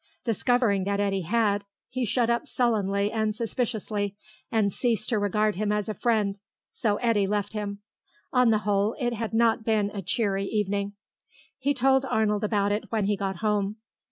Discovering that Eddy had, he shut up sullenly and suspiciously, and ceased to regard him as a friend, so Eddy left him. On the whole, it had not been a cheery evening. He told Arnold about it when he got home.